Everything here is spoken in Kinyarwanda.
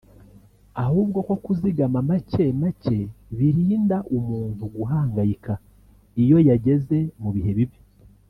ahubwo ko kuzigama make make birinda umuntu guhangayika iyo yageze mu bihe bibi